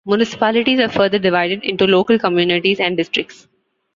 Municipalities are further divided into local communities and districts.